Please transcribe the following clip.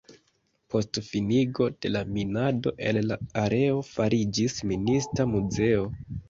Post finigo de la minado el la areo fariĝis Minista muzeo.